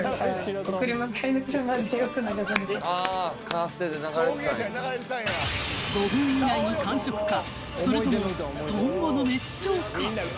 ああカーステで流れてたんや５分以内に完食かそれとも「とんぼ」の熱唱か